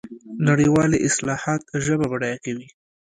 نړیوالې اصطلاحات ژبه بډایه کوي.